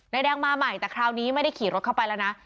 แดงมาใหม่แต่คราวนี้ไม่ได้ขี่รถเข้าไปแล้วนะ